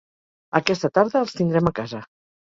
Aquesta tarda els tindrem a casa.